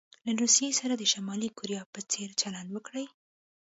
له روسيې سره د شمالي کوریا په څیر چلند وکړي.